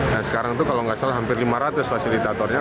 nah sekarang itu kalau nggak salah hampir lima ratus fasilitatornya